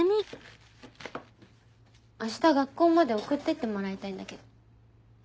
明日学校まで送ってってもらいたいんだけど。